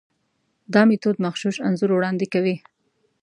دا میتود مغشوش انځور وړاندې کوي.